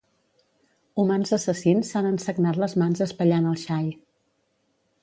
Humans assassins s'han ensagnat les mans espellant el xai.